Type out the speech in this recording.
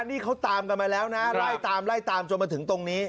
นี่เขาตามกันมาแล้วนะไล่ตามไล่ตามจนมาถึงตรงนี้